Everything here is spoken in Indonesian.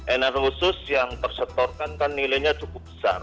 energi khusus yang tersetorkan kan nilainya cukup besar